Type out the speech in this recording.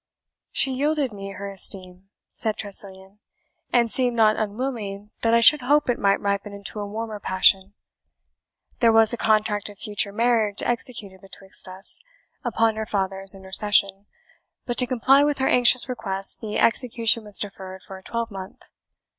"She yielded me her esteem," said Tressilian, "and seemed not unwilling that I should hope it might ripen into a warmer passion. There was a contract of future marriage executed betwixt us, upon her father's intercession; but to comply with her anxious request, the execution was deferred for a twelvemonth.